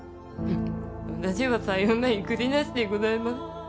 私はさような意気地なしでございます。